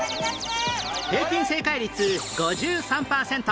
平均正解率５３パーセント